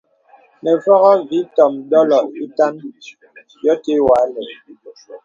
Nə Fògō vì ìtōm dòlo ītàn yô tə̀ wà àlə̄.